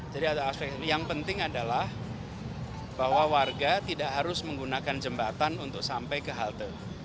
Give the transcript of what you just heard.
ada aspek yang penting adalah bahwa warga tidak harus menggunakan jembatan untuk sampai ke halte